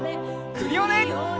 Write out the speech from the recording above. クリオネ！